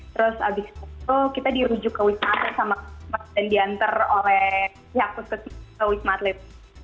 terus abis itu kita dirujuk ke wisma atlet sama semas dan diantar oleh pihak puskesma ke wisma atlet